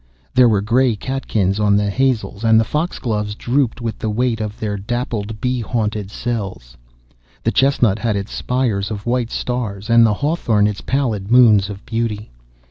There were grey catkins on the hazels, and the foxgloves drooped with the weight of their dappled bee haunted cells. The chestnut had its spires of white stars, and the hawthorn its pallid moons of beauty.